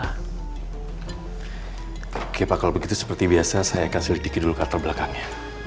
oke pak kalau begitu seperti biasa saya akan sedikit dulu latar belakangnya